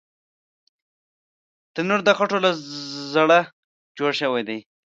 تنور د خټو له زړه جوړ شوی وي